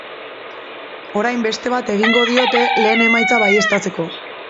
Orain beste bat egingo diote, lehen emaitza baieztatzeko.